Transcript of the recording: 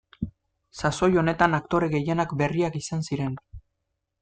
Sasoi honetan aktore gehienak berriak izan ziren.